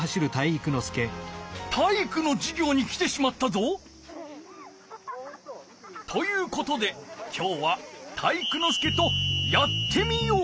体育のじゅぎょうに来てしまったぞ。ということで今日は体育ノ介と「やってみよう！」